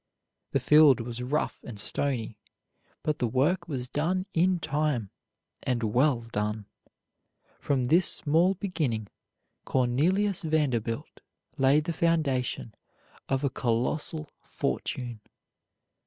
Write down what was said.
The field was rough and stony, but the work was done in time, and well done. From this small beginning Cornelius Vanderbilt laid the foundation of a colossal fortune.